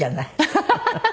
ハハハハ！